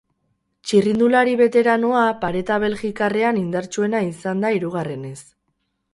Txirrindulari beteranoa pareta belgikarrean indartsuena izan da hirugarrenez.